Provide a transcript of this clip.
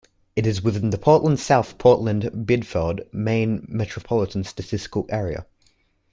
It is within the Portland-South Portland-Biddeford, Maine, metropolitan statistical area.